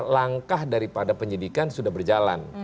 langkah daripada penyidikan sudah berjalan